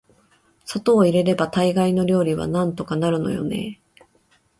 砂糖を入れれば大概の料理はなんとかなるのよね～